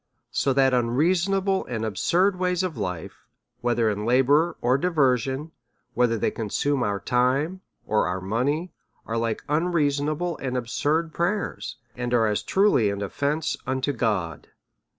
So that unreason able and absurd ways of life, whether in labour or di version, whether they consume our time or our money, are like unreasonable and absurd prayers, and are as truly an often ce unto God.